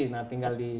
nah tinggal di klik